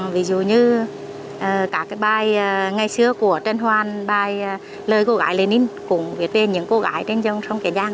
ví dụ như các cái bài ngày xưa của trần hoàn bài lời cô gái lê ninh cũng viết về những cô gái trên dòng sông kiến giang